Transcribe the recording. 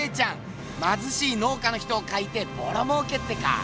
まずしい農家の人を描いてボロもうけってか？